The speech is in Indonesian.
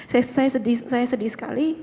saya sedih sekali